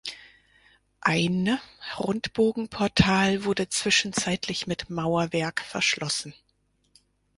Eine Rundbogenportal wurde zwischenzeitlich mit Mauerwerk verschlossen.